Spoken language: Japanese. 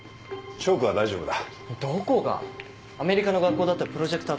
チョークは大丈夫だ。